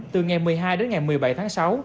từ ngày một mươi hai đến ngày một mươi bảy tháng sáu